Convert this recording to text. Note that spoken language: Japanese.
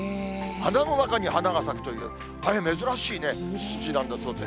花の中に花が咲くという、大変珍しいね、ツツジなんだそうです。